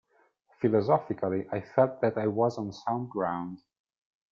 Philosophically I felt that I was on sound ground.